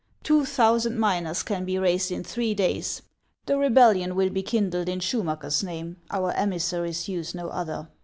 Two thousand miners can be raised in three days. The rebellion will be kindled in Schumacker's name ; our emissaries use no other.